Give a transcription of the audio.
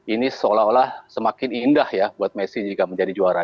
ini seolah olah semakin indah ya buat messi jika menjadi juara